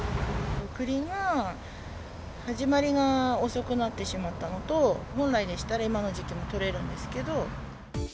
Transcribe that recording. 栗が始まりが遅くなってしまったのと、本来でしたら、今の時期もとれるんですけれども。